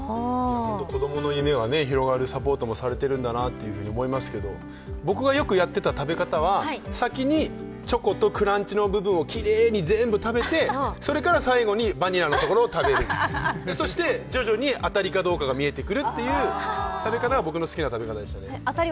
子供の夢を広がるサポートもされてるんだなと思いますけれども僕がよくやってた食べ方は、先にチョコとクランチの部分をきれいに全部食べてそれから最後にバニラのところを食べる、そして徐々に当たりかどうかが見えてくるという食べ方が僕の好きな食べ方でしたね。